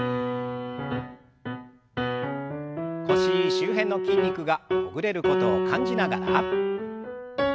腰周辺の筋肉がほぐれることを感じながら。